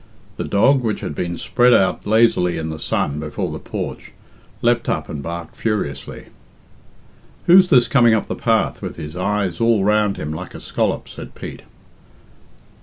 The dog, which had been spread out lazily in the sun before the porch, leapt up and barked furiously. "Who's this coming up the path with his eyes all round him like a scallop?" said Pete.